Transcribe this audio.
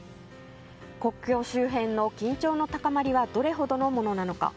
国境周辺の緊張の高まりはどれほどのものか。